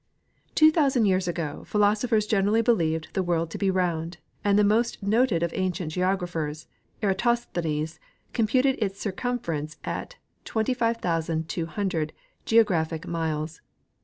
Two thousand years ago philosophers generally iDclieved the world to be round, and the most noted of ancient geographers, Eratosthenes, computed its circumference at 25,200 geographic miles.